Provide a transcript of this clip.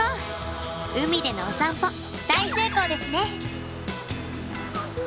海でのお散歩大成功ですね！